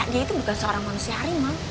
dia itu bukan seorang manusia harimau